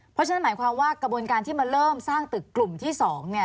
เพราะฉะนั้นหมายความว่ากระบวนการที่มาเริ่มสร้างตึกกลุ่มที่๒เนี่ย